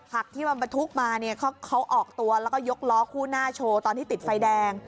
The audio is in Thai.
หากที่มันบรรทุกมาเนี่ยเขาออกตัวแล้วก็ยกล้อคู่หน้าโชว์ตอนที่ติดไฟแดง